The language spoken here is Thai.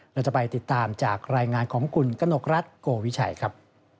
เราจะไปติดตามจากรายงานของคุณกนกรัฐโกวิชัยครับ